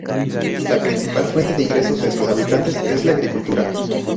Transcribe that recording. La principal fuente de ingresos de sus habitantes es la agricultura.